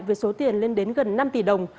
với số tiền lên đến gần năm tỷ đồng